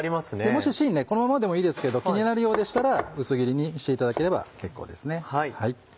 もし芯ねこのままでもいいですけど気になるようでしたら薄切りにしていただければ結構です。